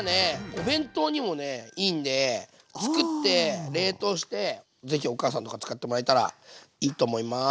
お弁当にもねいいんでつくって冷凍してぜひお母さんとか使ってもらえたらいいと思います。